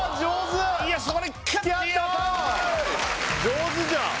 上手じゃん！